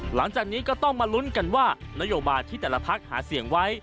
หลังจากนี้ก็ต้องมาลุ้นกันว่านโยบายที่แต่ละพักหาเสียงไว้